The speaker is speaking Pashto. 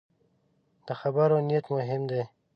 د خبرو نیت مهم دی